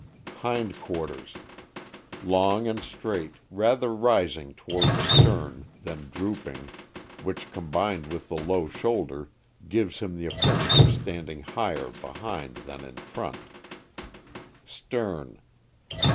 Hindquarters. — Long and straight; rather rising toward the stern than drooping, which, combined with the low shoulder, gives him the appearance of standing higher be hind than in front. Stern.